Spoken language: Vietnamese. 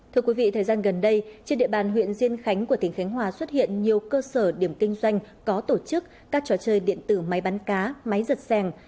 thưa quý vị thời gian gần đây trên địa bàn huyện diên khánh của tỉnh khánh hòa xuất hiện nhiều cơ sở điểm kinh doanh có tổ chức các trò chơi điện tử máy bán cá máy giật xèng